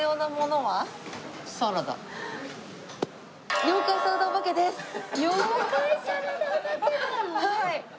はい。